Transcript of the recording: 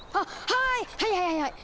はいはいはいはい！